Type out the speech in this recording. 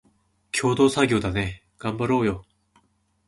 共同作業だね、がんばろーよ